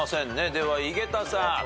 では井桁さん。